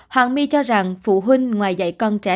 hoàng my cho rằng phụ huynh ngoài dạy con trẻ